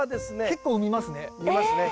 結構見ますね。